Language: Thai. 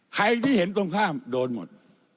ใครที่เห็นตรงข้ามโดนหมด